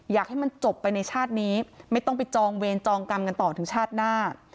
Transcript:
อยากให้มันจบไปในชาตินี้ไม่ต้องไปจองเวรจองกรรมกันต่อถึงชาติหน้า